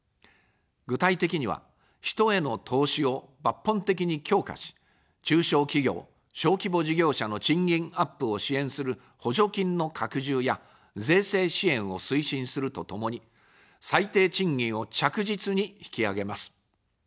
具体的には、人への投資を抜本的に強化し、中小企業・小規模事業者の賃金アップを支援する補助金の拡充や税制支援を推進するとともに、最低賃金を着実に引き上げます。